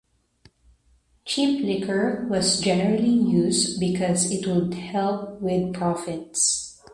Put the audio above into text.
Cheap liquor was generally used because it would help with profits.